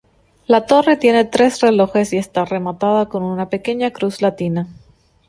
La torre tiene tres relojes y está rematada con una pequeña cruz latina.